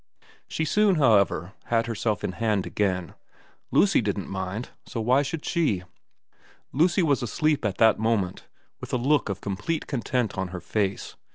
... She soon, however, had herself in hand again. Lucy didn't mind, so why should she 1 Lucy was asleep there at that moment, with a look of complete content on her face.